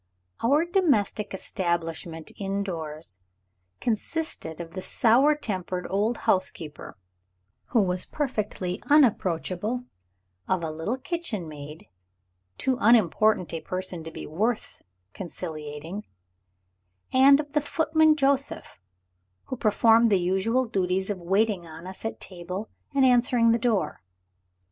Our domestic establishment indoors consisted of the sour tempered old housekeeper (who was perfectly unapproachable); of a little kitchen maid (too unimportant a person to be worth conciliating); and of the footman Joseph, who performed the usual duties of waiting on us at table, and answering the door.